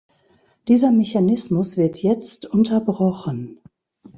Dieser Mechanismus wird jetzt unterbrochen.